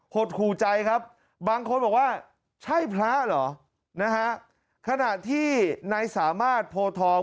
หดหูใจครับบางคนบอกว่าใช่พระเหรอนะฮะขณะที่นายสามารถโพทอง